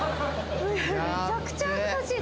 めちゃくちゃ恥ずかしい。